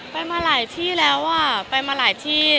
ไปมาหลายที่แล้วอ่ะไปมาหลายที่